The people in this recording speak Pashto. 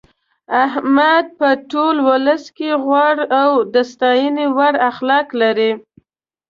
احمد په ټول ولس کې غوره او د ستاینې وړ اخلاق لري.